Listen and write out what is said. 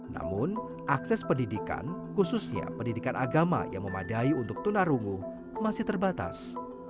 namun akses pendidikan khususnya pendidikan agama yang memadai untuk tunarungu masih terbatas